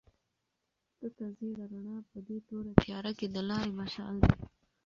تته زېړه رڼا په دې توره تیاره کې د لارې مشال دی.